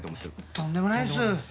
とんでもないです。